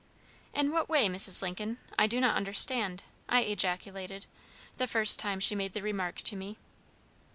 "In what way, Mrs. Lincoln? I do not understand," I ejaculated, the first time she made the remark to me.